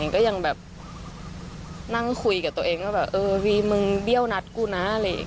ก็ยังแบบนั่งคุยกับตัวเองว่ามึงเบี้ยวนัดกูนะ